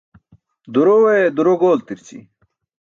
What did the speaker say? Durowe duro gooltirići.